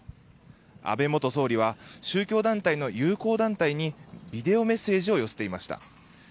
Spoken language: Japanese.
安倍元総理は宗教団体の友好団体にビデオメッセージを寄せていました。